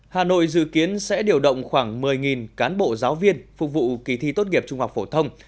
hà nội dự kiến sẽ điều động khoảng một mươi cán bộ giáo viên phục vụ kỳ thi tốt nghiệp trung học phổ thông